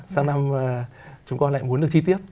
sau năm chúng con lại muốn được thi tiếp